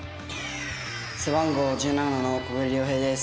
背番号１７の小暮遼平です。